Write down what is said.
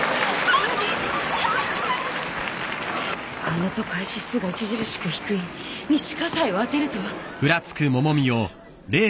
あの都会指数が著しく低い西葛西を当てるとは。